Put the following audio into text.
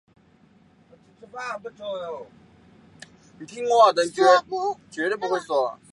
公园已向机电工程署通报有关事故。